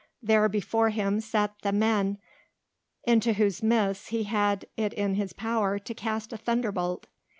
There before him sat the men into whose midst he had it in his power to cast a thunderbolt.